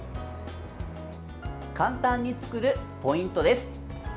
簡単に作るポイントです。